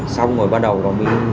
xong rồi bắt đầu nó mới